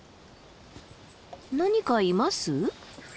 何かいます？